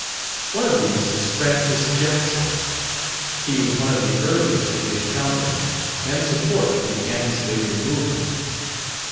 One of these is Francis Jackson. He was one of the earliest to give countenance and support to the anti slavery movement.